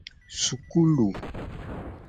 Sukulu.